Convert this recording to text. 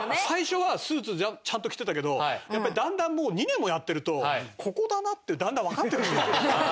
最初はスーツちゃんと着てたけどだんだんもう２年もやってるとここだなってだんだんわかってくる。